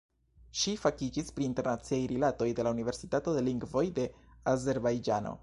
Ŝi fakiĝis pri Internaciaj Rilatoj de la Universitato de Lingvoj de Azerbajĝano.